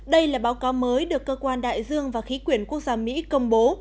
đây là báo cáo mới được cơ quan đại dương và khí quyển quốc gia mỹ công bố